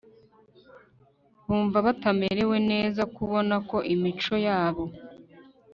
bumva batamerewe neza Kubona ko imico yabo